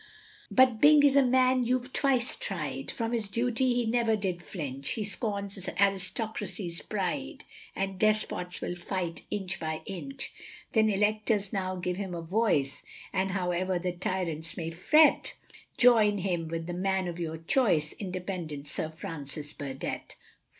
But Byng is a Man you've twice try'd, From his duty he never did flinch, He scorns Aristocracy's pride, And Despots will fight inch by inch. Then Electors now give him a voice. And however the Tyrants may fret, Join him with the man of your choice, Independent Sir Francis Burdett.